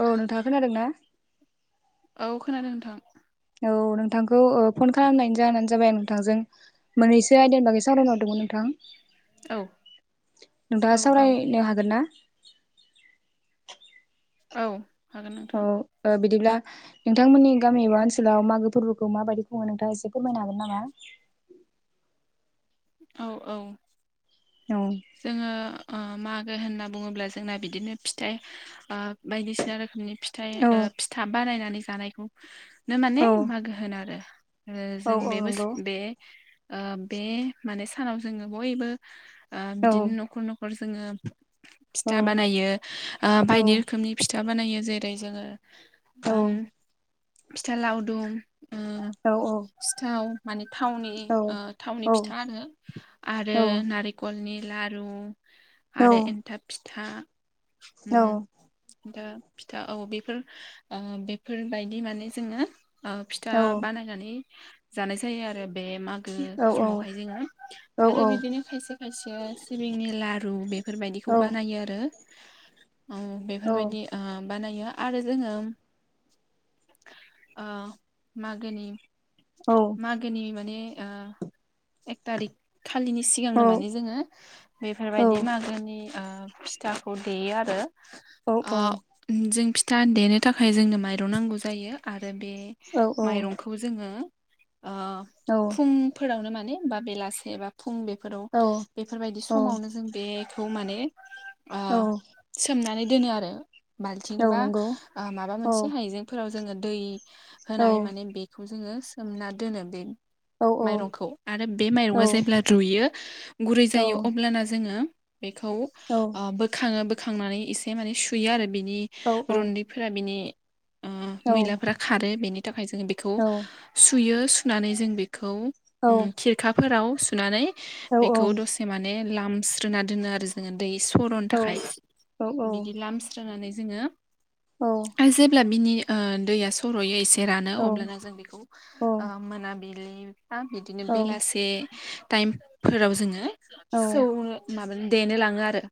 औ नोंथा खोनादों ना औ खोनादों नोंथां औ नोंथांखौ फन खालामनाय जानो जाबाय आं नोंथांजों मोनैसो आयदानि बागै सावरायनो हरदोंमोन नोंथां औ नोंथाङा औ औ सावरायनो हागोन ना? औ हागोन नोंथां औ ओ बिदिब्ला नोंथांमोननि गामि एबा ओनसोलाव मागो फोरबोखौ माबायदि खुङो नोंथां एसे फोरमायनो हागोन नामा? औ औ औ जोङो मागो होनना बुङोब्ला जोंना बिदिनो फिथाइ बायदिसिना रोखोमनि फिथाय औ फिथा बानायनानै जानायखौनो माने औ मागो होनो आरो ओ औ जों औ बे बोस नंगौ बे ओ बे माने सानाव जोङो बयबो ओ औ बिदिनो न'खर न'खर जोङो औ फिथा बानायो ओ औ बायदि रोखोमनि फिथा बानायो जेरै जोङो औ ओम फिथा लावदुम उम औ सिथाव माने थावनि ओ थावनि फिथा आरो आरो नारें खलनि लारु आरो एन्थाब फिथा उम दा फिथा औ बेफोर ओ बेफोरबायदि माने जोङो ओ फिथा औ बानायनानै जानाय जायो आरो बे मागो औ समावहाय जोङो औ आरो बिदिनो खायसे खायसे सिबिंनि लारु बेफोरबायदिखौ बानायो आरो। ओ बेफोरबायदि ओ बानायो आरो जोङो ओ मागोनि मागोनि माने ओ एक थारिक खालिनि सिगांनो माने जोङो बेफोरबायदि मागोनि ओ फिथाखौ देयो आरो। ओ जों फिथा देनो थाखाय जोंनो माइरं नांगौ जायो। आरो बे औ औ माइरंखौ जोङो ओ औ फुं फोरावनो माने बा बेलासे बा फुं बेफोराव औ बेफोरबायदि औ समावनो जों बे खौ माने ओ औ सोमनानै दोनो आरो बाल्थिं औ बा नंगौ ओ माबा औ मोनसे आयजें फोराव जोङो दै औ होनानै माने बेखौ जोङो सोमना दोनो बे औ माइरंखौ आरो बे औ माइरंआ जेब्ला रुइयो गुरै औ जायो अब्ला ब्लाना जोङो बेखौ ओ बोखाङो बोखांनानै एसे माने सुयो आरो बिनि औ रुन्दैफोरा बिनि ओ औ मैलाफोरा खारो बेनि थाखाय जोङो बेखौ औ सुयो सुनानै जों बेखौ औ उम खिरखाफोराव सुनानै बेखौ दसे माने लामस्रोना दोनो आरो जोङो दै सर'नो थाखाय बिदि लामस्रो स्रोनानै जोङो औ आरो जेब्ला बिनि ओ दैया सर'यो एसे रानो अब्लाना जों बेखौ ओ मोनाबि बिलि बा बिदिनो औ बेलासे टाइमफोराव जोङो सौनो माबानो देनो लाङो आरो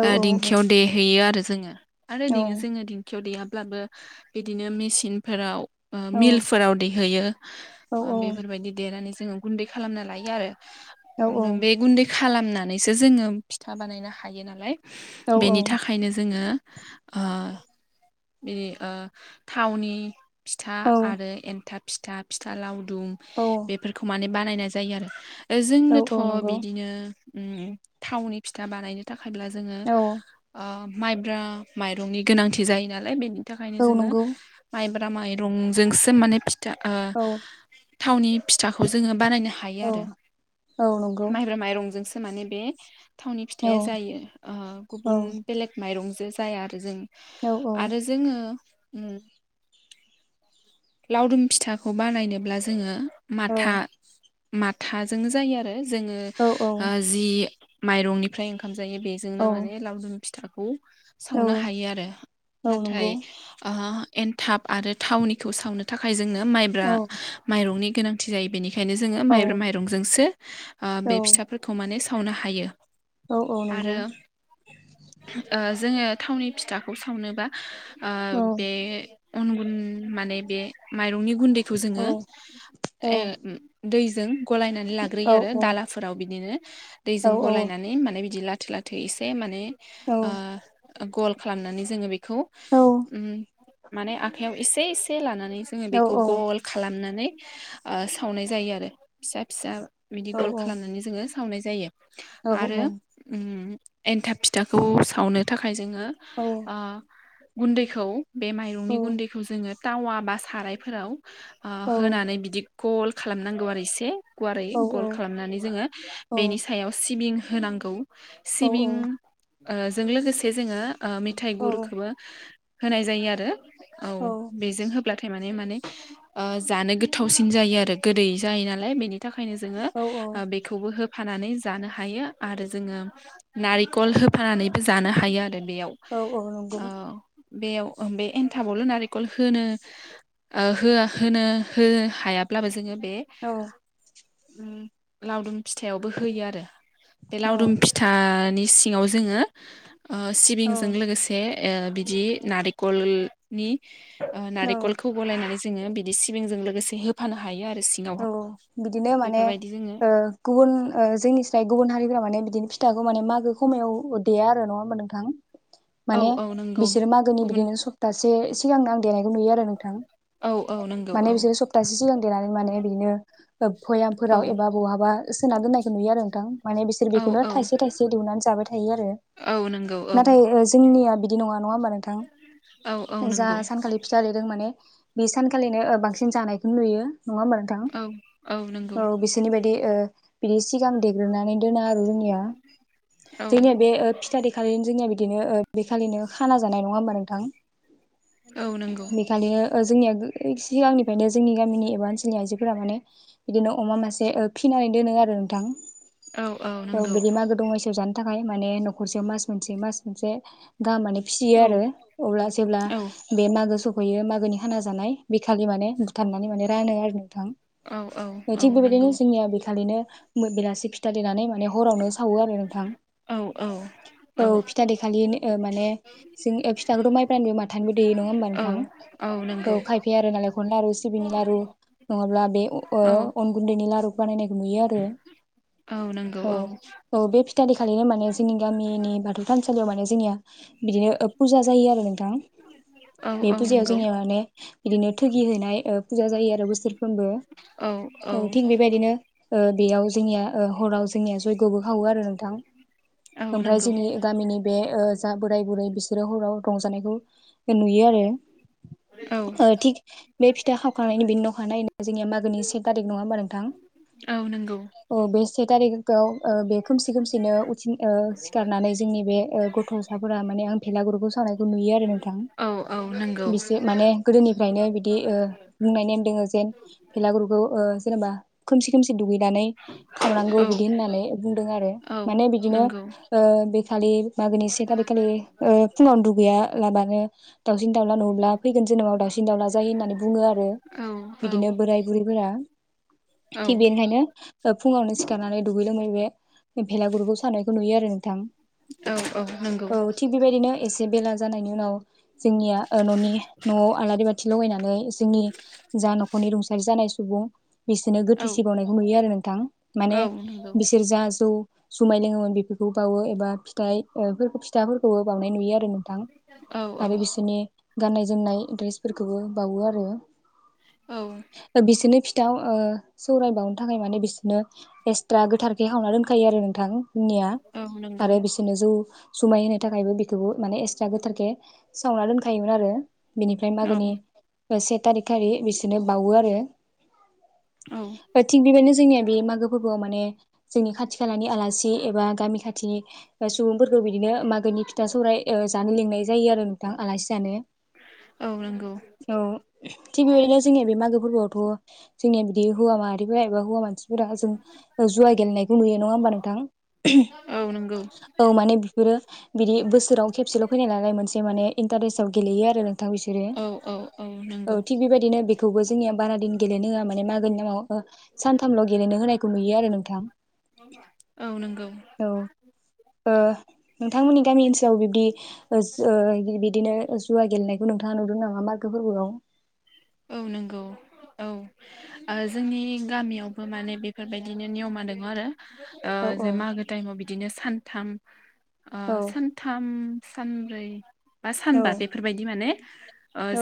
औ ओ नंगौ दिंखियाव देहैयो आरो जोङो। आरो दिं औ जोङो दिंखियाव देयाब्लाबो बिदिनो मेसिनफोराव ओ मिलफोराव देहैयो औ ओ बेफोरबायदि देनानै जोङो गुन्दै खालामना लायो आरो बे गुन्दै खालामनानैसो जोङो फिथा बानायनो हायो नालाय बेनि थाखायनो जोङो ओ बि ओ थावनि फिथा आरो एन्थाब फिथा फिथा लावदुम बेफोरखौ माने बानायनाय जायो आरो ओ जोंनोथ' दिनो उम थावनि फिथा बानायनो थाखायब्ला जोङो ओ माइब्रा माइरंनि गोनांथि जायो नालाय बेनि थाखायनो जोङो नंगौ माइब्रा माइरंजोंसो माने फिथा ओ औ थावनि फिथाखौ जोङो बानायनो हा औ हायो आरो औ नंगौ माइब्रा माइरंजोंसो माने बे थावनि औ फिथाया जायो ओ गुबुन बेलेग माइरंजो जाया आरो जों औ औ। आरो जोङो उम लावदुम फिथाखौ बानायनोब्ला जोङो माथा औ माथाजोंनो जायो आरो जोङो। ओ जि माइरंनिफ्राय ओंखाम जायो औ बेजोंनो औ माने लावदुम फिथाखौ सावनो हायो आरो औ नाथाय नंगौ आ एनथाब आरो थावनिखौ सावनो थाखाय जोंनो माइब्रा औ माइरंनि गोनांथि जायो बेनि खायनो जोङो औ माइब्रा माइरंजोंसो ओ औ बे फिथाफोरखौ माने सावनो हायो। औ औ नंगौ आरो ओ जोङो थावनि फिथाखौ सावनोबा औ ओ बे उन गुन माने बे माइरंनि गुन्दैखौ औ जोङो औ ओ दैजों गलायनानै औ ग्रोयो आरो दालाफोराव बिदिनो औ दैजों गलायनानै माने बिदि लाथो लाथो एसे माने औ ओ गल खालामनानै जोङो बेखौ उम माने आखाइयाव एसे एसे लानानै जोङो औ बेखौ गल खालामनानै ओ सावनाय जायो आरो फिसा फिसा बिदि औ गल औ खालामनानै जोङो सावनाय जायो नंगौ औ आरो उम एन्थाब फिथाखौ सावनो थाखाय जोङो ओह गुन्दैखौ बे माइरंनि गुन्दैखौ जोङो टावा बा सारायफोराव ओ होनानै बिदि गल खालामनांगौ आरो इसे गुवारै गल खालामनानै जोङो बेनि सायाव सिबिं होनांगौ। औ सिबिं ओ जों लोगोसे जोङो ओ मेथाइ गुरखौबो होनाय जायो आरो औ बेजों होब्लाथाय मा ने माने ओ जानो गोथावसिन जायो आरो गोदै जायो नालाय बेनि थाखायनो जोङो ओ बेखौबो होफ फानानै जानो हायो आरो जोङो नारिखल होफानानैबो जानो हायो आरो बेयाव। औ बेयाव बे एन्थाबावल' नारेखल होनो ओ होआ होनो हो हायाब्लाबो जोङो बे औ। उम लावदुम फिथाइयावबो होयो आरो बे लावदुम फि फिथानि सिङाव जोङो ओ सिबिंजों लोगोसे ए ओ बिदि नारिखलनि ओ औ नारिखलखौ गलायनानै जोङो बिदि सिबिंजों लोगोसे होफानो हायो आरो सि औ बिदिनो माने ओ गुबुन ओ जोंनि स्राय गुबुन हारिफ्रा माने बिदिनो फिथाखौ माने मागो खमायाव देया आरो नङा होमबा नोंथां? औ माने औ नंगौ बिसोरो मागोनि गुबुन बिदिनो सप्तासे सिगांनो आं देनायखौ नुयो आरो नोंथां। औ औ नंगौ माने औ बिसोरो सप्तासे सिगां देनानै माने बिदिनो औ पयामफोराव एबा बहाबा सोना दोननायखौ नुयो आरो नोंथां माने बिसोर औ बेखौनो औ थाइसे थाइसे दिहुननानै जाबाय था थायो आरो औ नंगौ औ नाथाय जोंनिया बिदि नङा नङा होमबा नोंथां? औ औ। जा नंगौ सानखालि फिथा लिरदों माने बे सानखालिनो बांसिन जानायखौ नुयो नङा होमबा थां औ नंगौ औ बिसोरनि बायदि ओ बि सिगां देग्रोनानै दोनो आरो जोंनिया औ जोंनिया बे ओ फिथा देखालिनो जोंनिया बिदिनो ओ बे खालिनो खाना जानाय नङा होमबा नोंथां? औ नोंगौ। खालिनो जोंनिया सिगांनिफ्रायनो जोंनि गामिनि एबा ओनसोलनि आइजो फोरा माने बिदिनो अमा मासे ओ फिनानै दोनो आरो नोंथां। औ औ नंगौ बिदि मागो दमासिआव जानो थाखाय माने न'खरसेयाव मास मोनसे मास मोनसे गाहाम माने फिसियो औ आरो अब्ला जेब्ला औ बे मागो सफैयो मागोनि खाना जानाय। बेखालि माने बुथारनानै माने रानो आरो नोंथां। औ औ थिग बेबायदिनो नंगौ जोंनिया बेखालिनो बेलासि फिथा देनानै माने हरावनो सावो आरो नोंथां औ औ [unintelligible] औ फिथा देखालि ओ माने जों ए फिथाखौथ' माइफ्रानोबो माथानिबो देयो नोङा होमबा औ नोंथां? औ नोंगौ [unintelligible] लारु सिबिंनि लारु नङाब्ला बे ओ औ अन गुन्दैनि लारु बानायनायखौ नुयो आरो औ नोंगौ औ। औ बे फिथा देखालिनो माने जोंनि गामिनि बाथौ थानसालियाव माने जोंनिया बिदिनो फुजा जायो आरो नोंथां। औ बे औ फुजायाव नंगौ जोंङो माने बिदिनो थोगि होनाय फुजा जायो आरो बोसोरफ्रोमबो। औ थिग बेबायदिनो ओ बेयाव जोंनिया ओ हराव जोंनिया जयग'बो खावो आरो नोंथां औ ओमफ्राय नंगौ जोंनि गामिनि बे ओ जा बोराय बुरै बिसोरो हराव रंजानायखौ नुयो आरो औ ओ थिग बे फिथा खावखांनायनि बेनि [unintelligible] नि सेग थारिख नङा होमबा नोंथां औ नंगौ [inaudible] अ बे से थारिखौ ओ बे खोमसि खोमसिनो उथि ओ सिखारनानै जोंनि बे गथ'साफोरा माने आं भेलागुरुखौ सावनायखौ नुयो आरो नों थां औ औ नंगौ औ नंगौ [unintelligible] बिसे माने गोदोनिफ्रायनो बिदि ओ बुंनायनेम दोङ जेन फेलागुरुखौ ओ जेनेबा खोमसि खोमसि दुगैनानै औ खावनांगौ औ बिदि होननानै बुंदों आरो औ माने बिदिनो ओ बेखालि मागोनि से थारिग खालि ओ फुङावनो दुगैया लाबानो दाउसिन दाउला नुब्ला फैगोन जोनोमाव दाउसिन दाउला जायो होननानै बुङो आरो ओम औ बिदिनो बोराय बुरैफोरा थिग बेनिखायनो फुङावनो सिखारनानै दुगैलोमो बे भेलागुरुखौ साननायखौ नुयो आरो नोंथां औ नंगौ [unintelligible] औ थिग बेबायदिनो एसे बेला जानायनि उनाव जोंनिया ओ न'नि न'आव आलारि बाथि थि लगायनानै जोंनि जा न'खरनि रुंसारि जानाय सुबुं बिसोरनो औ गोथै सि बावनाय नुयो आरो नोंथां माने औ नंगौ औ बिसोर जा जौ जुमाय लोङोमोन बेफोरखौ बावो एबा फिथाइ ओ फोरखौ फिथाफोरखौबो बावनाय नुयो आरो नों थां औ आरो औ बिसिनि गाननाय जोमनाय द्रेसफोरखौबो बावो आरो औ बिसोनो फिथाव ओ सौराय बावनो थाखाय माने बिसनो एसट्रा गोथारखे हावना दोनखायो आरो नोंथां निया औ नंगौ आरो बिस नो जौ जुमाय होनो थाखायबो बेखौबो माने एसट्रा गोथारखे सावना दोनखायोमोन आरो बिनिफ्राय औ मागोनि से थारिखारि बिसोरनो बावो आरो औ थिग बेबायदिनो जोंनिया बे मागो फोबबोआव माने जोंनि खाथि खालानि आलासि एबा गामि खाथिनि सुबुंफोरखौ बिदिनो मागोनि फि था सौराय जानो लोंनाय जायो आरो नोंथां आलासि जानो औ नोंगौ औ [unintelligible] थिग बेबायदिनो जोंनिया बे मागो फोरबोआवथ' जोंनिया बिदि हौवा माहारिफोरा एबा हौवा मानसि [unintelligible] जों जुवा गेलेनायखौ नुयो नङा होमबा नोंथां औ नंगौ [unintelligible] औ माने बेफोरो बिदि बोसोराव खेबसेल' फैनाय नालाय मोनसे माने इन्टारेस्टआव गेलेयो आरो नोंथां बिसोरो औ औ औ नों औ थिग बेबायदिनो बे खौबो जोंनिया बारादिन गेलेनो होआ माने मागोनि नामाव सानथामल' गेलेनो होनायखौ नुयो आरो नोंथां औ नोंगौ औ ओ नोंथांमोननि गामि ओनसो औ बिबदि ओ जोओ बिदिनो जुवा गेलेनायखौ नोंथाङा नुदों नामा मागो फोरबोआव? औ नोंगौ औ आ जोंनि गामियावबो माने बेफोरबायदिनो नियमा दङ आरो ओ औ जे मागो टाइमाव बिदिनो सानथाम ओ औ सा थाम सानब्रै बा औ सानबा बेफोरबायदि माने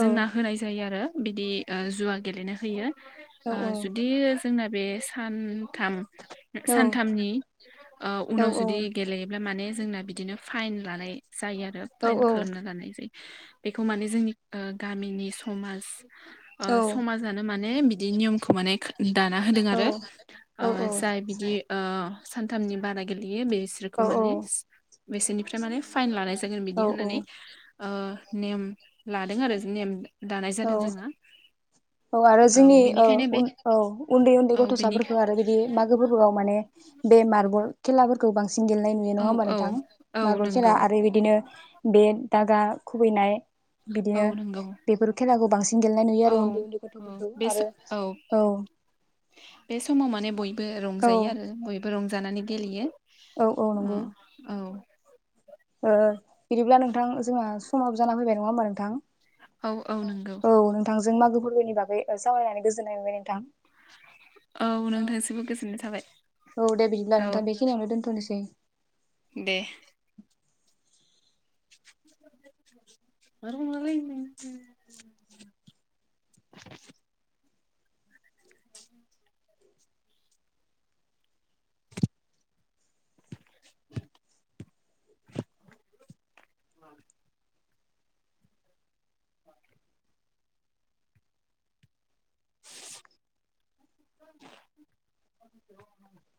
जोंना होनाय जायो आरो बिदि जुवा गेलेनो होयो औ ओ जुदि जोंना बे सानथाम सानथामनि औ उनाव जुदि गेले अब्ला माने जोंना बिदिनो फाइन लानाय जायो आरो औ फाइन खालामना लानाय जायो। बेखौ माने जोंनि ओ गामिनि समाज ओ औ समाजानो माने बिदि नियमखौ माने दाना होदों औ आरो औ ओ जाय बिदि ओ सानथामनि बारा गेलेयो बेसोरखौ औ माने बेसिनिफ्राय माने फाइन लानाय जागोन बिदि औ होननानै आ नेम लादों आरो नेम दानाय औ जादों जोंहा औ आरो जोंनि औ बेनिखायनो बे उन्दै उन्दै औ बेनि गथ'साफोरखौ आरो बिदि मागो फोरबोयाव माने बे मार्बल खेलाफोरखौ बांसिन गेलेनाय नुयो नङा औ होमबा औ नोंथां औ मार्बल खेला नंगौ आरो बिदिनो बे दागा खुबैनाय औ बिदिनो नंगौ बेफोर खेलाखौ बांसिन गेलेनाय नुयो आरो औ उन्दै उन्दै औ गथ'फोरखौ बे आरो औ ओ बे समाव माने बयबो औ रंजायो आरो बयबो रंजानानै गेलेयो। औ औ नंगौ। औ बिदिब्ला नोंथां जोंना समाबो जाना फैबाय नङा होमबा नोंथां? औ औ नंगौ औ नोंथांजों मागो फोरबोनि बागै सावरायनानै गोजोननाय मोनबाय नोंथां। औ नोंथांनिसिमबो गोजोननाय थाबाय। औ दे बिदिब्ला औ नोंथां बेखिनियावनो दोनथ'नोसै। दे। [unintelligible] [inaudible] [inaudible]